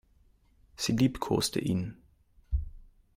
Sie liebkoste ihn.